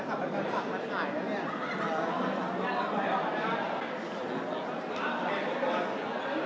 น้องน้องจะพูดหนึ่งนะครับร่างกายสูงรุ่นเสียงแรงนะครับ